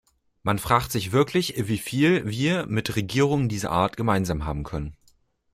Man fragt sich wirklich, wie viel wir mit Regierungen dieser Art gemeinsam haben können.